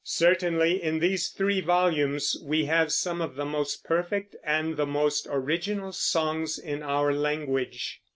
Certainly, in these three volumes we have some of the most perfect and the most original songs in our language.